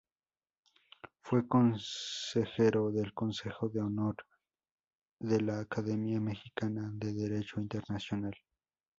Fue Consejero del Consejo de Honor de la Academia Mexicana de Derecho Internacional.